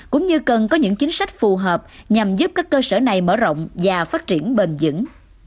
cũng như cần có những chính sách phù hợp nhằm giúp các cơ sở này mở rộng và phát triển bền dững